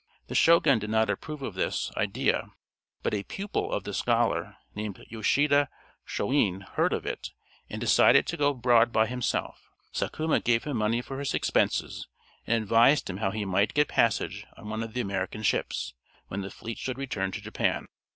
The Shogun did not approve of this idea; but a pupil of the scholar, named Yoshida Shoin, heard of it, and decided to go abroad by himself. Sakuma gave him money for his expenses, and advised him how he might get passage on one of the American ships, when the fleet should return to Japan.